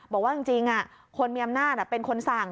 บอกว่าจริงคนมีอำนาจเป็นคนสั่ง